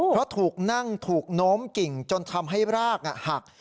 เพราะถูกนั่งถูกโน้มกิ่งจนทำให้รากหัก